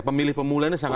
pemilih pemula sangat aware